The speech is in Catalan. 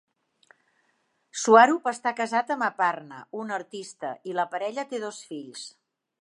Swarup està casat amb Aparna, un artista, i la parella té dos fills.